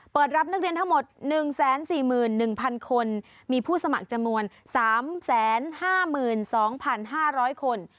รับนักเรียนทั้งหมด๑๔๑๐๐คนมีผู้สมัครจำนวน๓๕๒๕๐๐คน